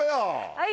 はい。